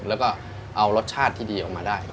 แล้วก็เอารสชาติที่ดีออกมาได้